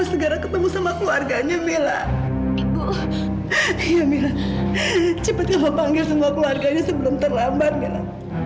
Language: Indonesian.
saya panggil semua keluarganya sebelum terlambat nira